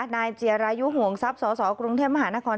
นายเจียรายุห่วงทรัพย์สสกรุงเทพมหานคร